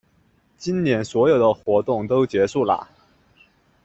今年所有的活动都结束啦